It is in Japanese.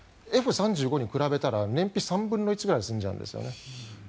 Ｆ３５に比べたら燃費、３分の１くらいで済んじゃうんですよね。